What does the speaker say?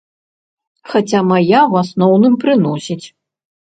Хаця мая ў асноўным прыносіць.